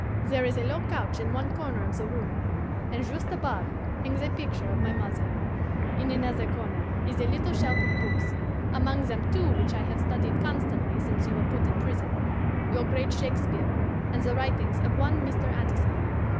There is a low couch in one corner of the room, and just above hangs a picture of my mother. In another corner is a little shelf of books, among them two which I have studied constantly since you were put in prison your great Shakespeare, and the writings of one Mr. Addison.